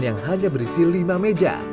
yang hanya berisi lima meja